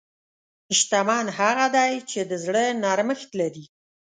شتمن هغه دی چې د زړه نرمښت لري.